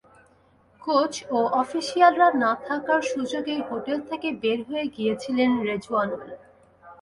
Coach ও অফিশিয়ালরা না থাকার সুযোগেই হোটেল থেকে বের হয়ে গিয়েছিলেন রেজওয়ানুল।